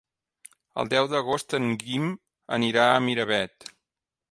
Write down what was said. El deu d'agost en Guim anirà a Miravet.